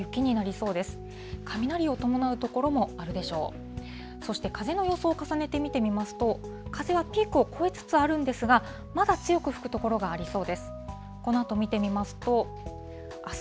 そして風の予想を重ねて見てみますと、風はピークを越えつつあるんですが、まだ強く吹く所がありそうです。